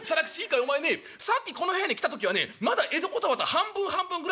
お前ねさっきこの部屋に来た時はねまだ江戸言葉と半分半分ぐらいだったはずなんだよ。